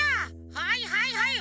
はいはいはい！